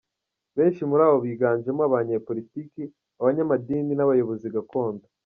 Benshi muri aba biganjemo abanyepolitiki, abanyamadini n’abayobozi gakondo.